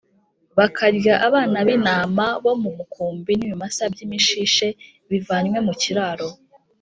bakarya abana b’intama bo mu mukumbi n’ibimasa by’imishishe bivanywe mu kiraro